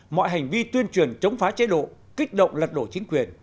mọi hành vi tuyên truyền chống phá chế độ kích động lật đổ chính quyền